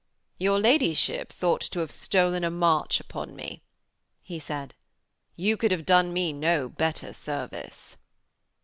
'Your ladyship thought to have stolen a march upon me,' he said. 'You could have done me no better service.'